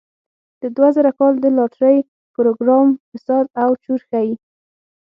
د دوه زره کال د لاټرۍ پروګرام فساد او چور ښيي.